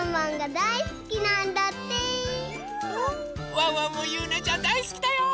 ワンワンもゆうなちゃんだいすきだよ！